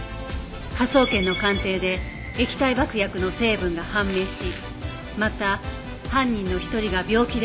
科捜研の鑑定で液体爆薬の成分が判明しまた犯人の１人が病気である事がわかった